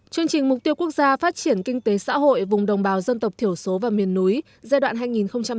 chương trình mục tiêu quốc gia phát triển kinh tế xã hội vùng đồng bào dân tộc thiểu số và miền núi giai đoạn hai nghìn hai mươi một hai nghìn ba mươi